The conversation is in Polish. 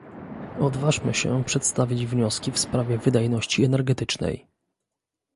Odważmy się przedstawić wnioski w sprawie wydajności energetycznej